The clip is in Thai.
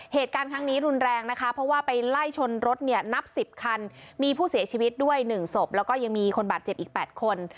เหตุการณ์ครั้งนี้รุนแรงนะคะเพราะว่าไปไล่ชนรถเนี่ยนับ๑๐คันมีผู้เสียชีวิตด้วย๑ศพแล้วก็ยังมีคนบาดเจ็บอีก๘คน